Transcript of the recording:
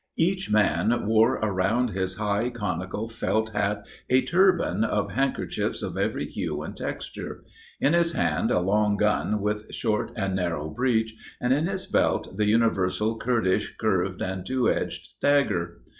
Each man wore around his high, conical felt hat, a turban of handkerchiefs of every hue and texture; in his hand a long gun with short and narrow breech; and in his belt the universal Kurdish curved and two edged dagger.